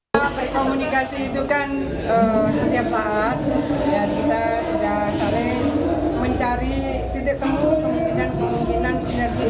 dalam berkomunikasi itu kan setiap saat dan kita sudah saling mencari titik temu kemungkinan kemungkinan sinergi